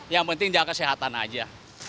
yang penting jaga kesehatan aja